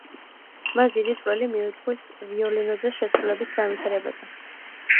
მას დიდი წვლილი მიუძღვის ვიოლინოზე შესრულების განვითარებაზე.